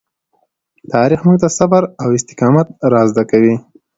تاریخ موږ ته صبر او استقامت را زده کوي.